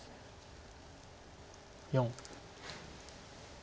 ４。